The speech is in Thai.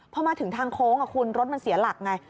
พอมาถึงทางโค้งคุณรถมันเสียหลักไง